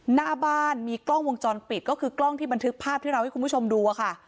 หน้าบ้านมีกล้องวงจรปิดก็คือกล้องที่บันทึกภาพที่เราให้คุณผู้ชมดูค่ะ